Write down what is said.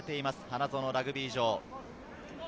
花園ラグビー場。